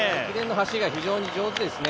走りが非常に上手ですね。